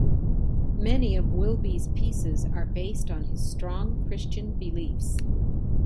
Many of Wilby's pieces are based on his strong Christian beliefs.